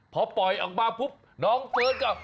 พอปล่อยออกมาปุ๊บน้องเฟิร์สกับ